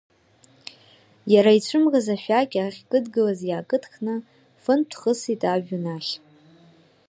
Иара ицәымӷыз ашәақь ахькыдгылаз иаакыдхны, фынтә схысит ажәҩан ахь.